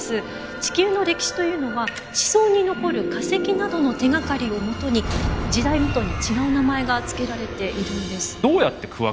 地球の歴史というのは地層に残る化石などの手がかりをもとに時代ごとに違う名前が付けられているんです。